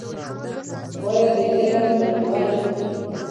باید د علم درناوی وکړې.